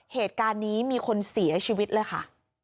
เหตุการณ์นี้มีคนเสียชีวิตเลยค่ะ